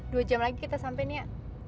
dua jam lagi kita sampai nia